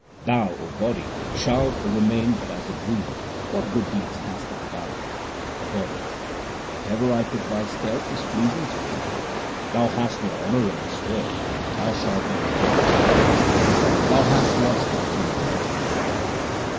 Thou, O body, shalt remain but as a dream what good deeds hast thou done ? The Body : Whatever I took by stealth was pleasing to thee. Thou hast no honour in this world, and thou shalt be rejected in the next ; thou hast lost thy human dwelling in vain.